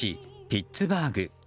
ピッツバーグ。